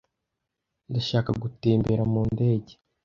Ndashaka gutembera mu ndege.